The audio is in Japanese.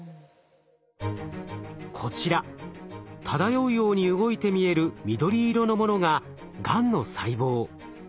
こちら漂うように動いて見える緑色のものががんの細胞。